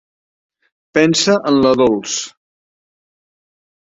Pensa en la Dols.